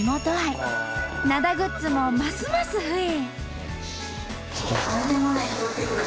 灘グッズもますます増え。